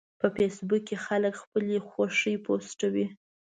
په فېسبوک کې خلک خپلې خوښې پوسټوي